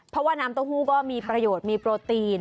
เพราะว่าน้ำเต้าหู้ก็มีประโยชน์มีโปรตีน